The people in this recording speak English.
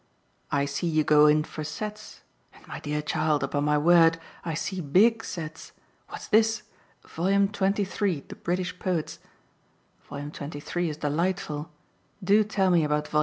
"I see you go in for sets and, my dear child, upon my word, I see, BIG sets. What's this? 'Vol. 23: The British Poets.' Vol. 23 is delightful do tell me about Vol.